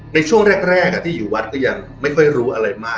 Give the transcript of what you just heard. ในช่วงแรกที่อยู่วัดก็ยังไม่ค่อยรู้อะไรมาก